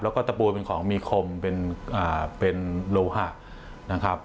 แล้วก็ตะปูเป็นของมีคมเป็นโลหะนะครับ